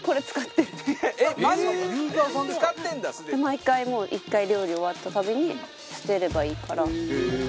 毎回１回料理終わったたびに捨てればいいから。